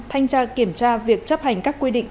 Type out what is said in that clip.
thanh tra kiểm tra việc chấp hành các quy định